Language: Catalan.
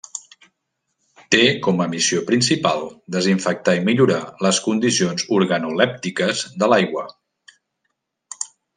Té com a missió principal desinfectar i millorar les condicions organolèptiques de l'aigua.